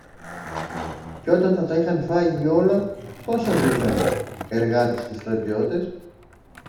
Και όταν θα τα είχαν φάγει όλα, πώς θα ζούσαν, εργάτες και στρατιώτες;